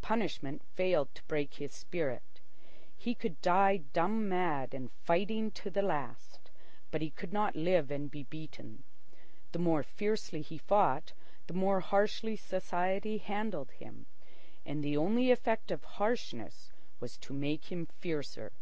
Punishment failed to break his spirit. He could die dumb mad and fighting to the last, but he could not live and be beaten. The more fiercely he fought, the more harshly society handled him, and the only effect of harshness was to make him fiercer.